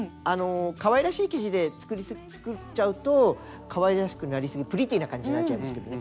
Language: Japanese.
かわいらしい生地で作っちゃうとかわいらしくなりすぎるプリティーな感じになっちゃいますけどね。